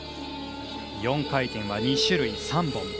４回転は２種類３本。